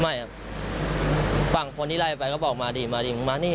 ไม่ครับฝั่งคนที่ไล่ไปก็บอกมาดิมาดิมึงมานี่